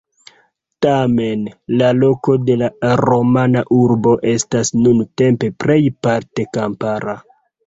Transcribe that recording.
Tamen, la loko de la romana urbo estas nuntempe plejparte kampara.